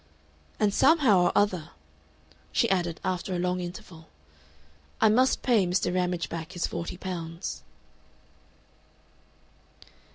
"And somehow or other," she added, after a long interval, "I must pay Mr. Ramage back his forty pounds."